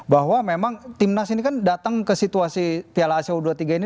bahwa memang timnas ini kan datang ke situasi piala asia u dua puluh tiga ini